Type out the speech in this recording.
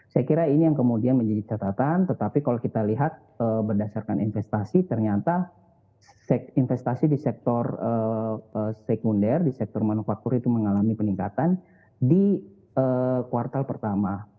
saya kira ini yang kemudian menjadi catatan tetapi kalau kita lihat berdasarkan investasi ternyata investasi di sektor sekunder di sektor manufaktur itu mengalami peningkatan di kuartal pertama